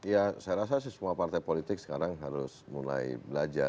ya saya rasa sih semua partai politik sekarang harus mulai belajar